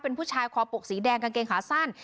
เป็นผู้ชายคอปกสีแดงกางเกงขาสั้น